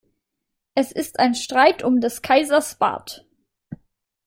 Es ist ein Streit um des Kaisers Bart.